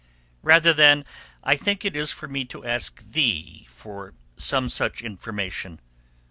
Rather, then, I think is it for me to ask thee for some such information.